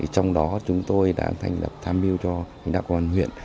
trong đó chúng tôi đã thành lập tham mưu cho lãnh đạo công an huyện